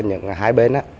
cho những hai bên á